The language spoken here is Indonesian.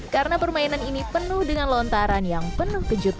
karena permainan ini penuh dengan lontaran yang penuh kejutan